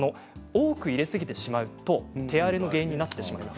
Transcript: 多く入れすぎてしまうと手荒れの原因になってしまいます。